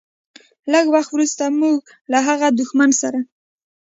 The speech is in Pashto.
لږ وخت وروسته موږ له هغه دښمن سره.